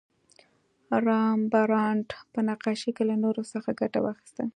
رامبراند په نقاشۍ کې له نور څخه ګټه واخیسته.